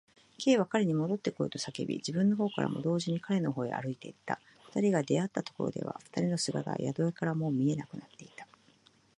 Ｋ は彼にもどってこいと叫び、自分のほうからも同時に彼のほうへ歩いていった。二人が出会ったところでは、二人の姿は宿屋からはもう見えなくなっていた。